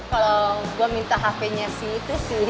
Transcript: kalau gue minta hp nya sih itu sih